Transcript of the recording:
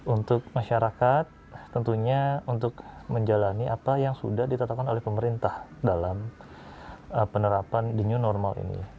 untuk masyarakat tentunya untuk menjalani apa yang sudah ditetapkan oleh pemerintah dalam penerapan the new normal ini